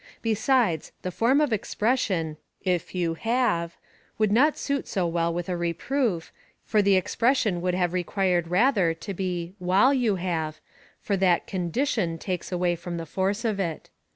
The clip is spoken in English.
^ Besides, the form of expression, if you have, would not suit so Avell with a reproof, for the ex pression would have required rather to be while you have, for that condition takes away from the force of it.